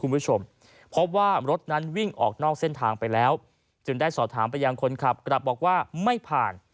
คุณผู้ชมพบว่ารถนั้นวิ่งออกนอกเส้นทางไปแล้วจึงได้สอบถามไปยังคนขับกลับบอกว่าไม่ผ่าน